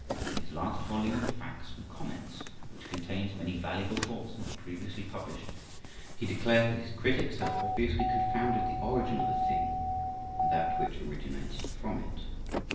In his last volume, "Facts and Comments," which contains many valuable thoughts not previously published, he declares that his critics have obviously confounded the origin of a thing and that which originates from it.